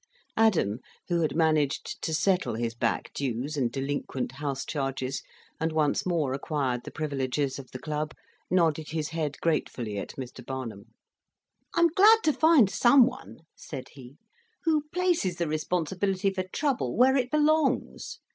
Adam, who had managed to settle his back dues and delinquent house charges, and once more acquired the privileges of the club, nodded his head gratefully at Mr. Barnum. "I'm glad to find some one," said he, "who places the responsibility for trouble where it belongs.